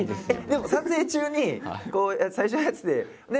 でも撮影中にこう最初のやつでね